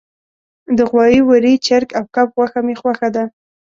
د غوایی، وری، چرګ او کب غوښه می خوښه ده